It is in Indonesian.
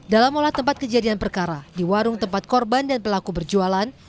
dalam olah tempat kejadian perkara di warung tempat korban dan pelaku berjualan